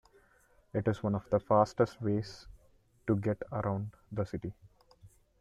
It is one of the fastest ways to get around the city.